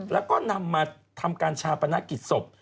แล้วก็นำมาทำการชาปนกิจศพ